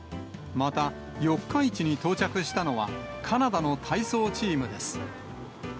また、四日市に到着したのは、カナダの体操チームです。